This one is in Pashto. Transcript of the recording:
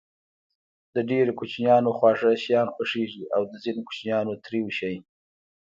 د ډېرو کوچنيانو خواږه شيان خوښېږي او د ځينو کوچنيانو تريؤ شی.